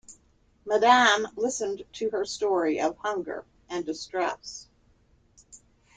Madame listened to her story of hunger and distress.